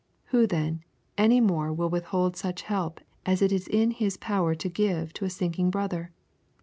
Who, then, any more will withhold such help as it is in his power to give to a sinking brother?